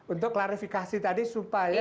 untuk klarifikasi tadi supaya